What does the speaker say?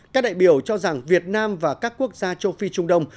các đại biểu cho rằng việt nam và các quốc gia châu phi trung đông